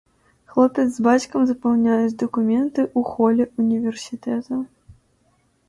Хлопец з бацькам запаўняюць дакументы ў холе ўніверсітэта.